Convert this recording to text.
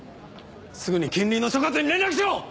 すぐに近隣の所轄に連絡しろ！